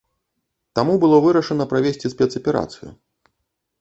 Таму было вырашана правесці спецаперацыю.